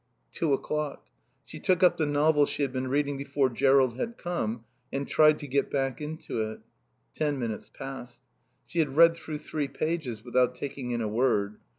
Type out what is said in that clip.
Two o'clock. She took up the novel she had been reading before Jerrold had come and tried to get back into it. Ten minutes passed. She had read through three pages without taking in a word.